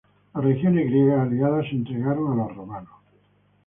Las regiones griegas aliadas se entregaron a los romanos.